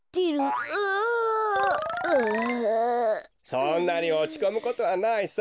そんなにおちこむことはないさ。